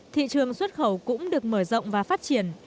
thị trường xuất khẩu cũng được mở rộng và phát triển